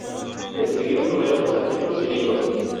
Escribió numerosos artículos y libros.